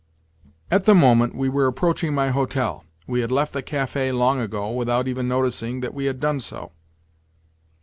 At the moment, we were approaching my hotel. We had left the café long ago, without even noticing that we had done so.